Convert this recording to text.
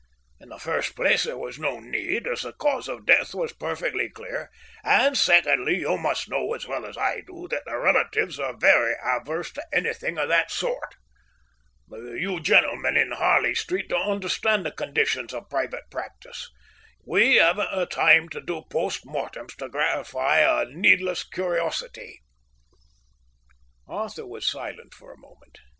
In the first place there was no need, as the cause of death was perfectly clear, and secondly you must know as well as I do that the relatives are very averse to anything of the sort. You gentlemen in Harley Street don't understand the conditions of private practice. We haven't the time to do post mortems to gratify a needless curiosity." Arthur was silent for a moment.